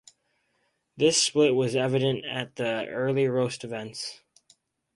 This split was evident at the early Roast events.